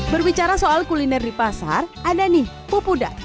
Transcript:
berbicara soal kuliner di pasar ada nih pupuda